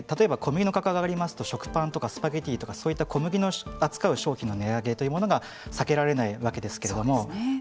小麦の価格が上がりますと食パンとかスパゲッティとかそういった小麦を扱う商品の値上げが避けられないわけですけれども。